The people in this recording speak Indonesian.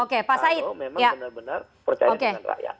kalau memang benar benar percaya dengan rakyat